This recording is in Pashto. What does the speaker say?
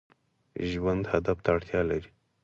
ژوند هدف ته اړتیا لري